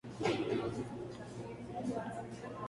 No tardan en pasar del robo de motos al atraco.